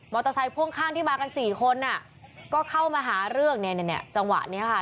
เตอร์ไซค์พ่วงข้างที่มากันสี่คนอ่ะก็เข้ามาหาเรื่องเนี่ยเนี่ยจังหวะนี้ค่ะ